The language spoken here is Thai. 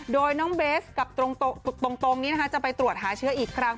โดยน้องเบสกับตรงนี้นะคะจะไปตรวจหาเชื้ออีกครั้ง